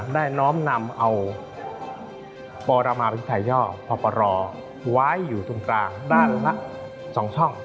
ได้น้อมนำเอาปลอรมไปพิชัยย่อปอล์ปลอล์ไว้อยู่ตรงกลางด้านละสองช่อง